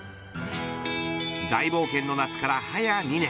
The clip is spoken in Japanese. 大冒険の夏から早２年。